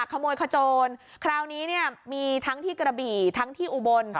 ขโมยขโจรคราวนี้เนี่ยมีทั้งที่กระบี่ทั้งที่อุบล